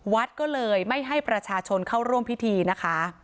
วัดก็เลยไม่ให้ประชาชนเข้าร่วมพิธีนะคะ